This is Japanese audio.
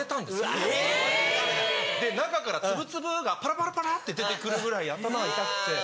中から粒々がパラパラパラって出てくるぐらい頭が痛くて。